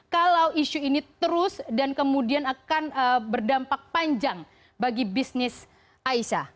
kalau isu ini terus dan kemudian akan berdampak panjang bagi bisnis aisyah